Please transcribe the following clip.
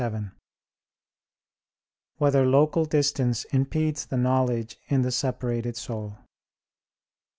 7] Whether Local Distance Impedes the Knowledge in the Separated Soul?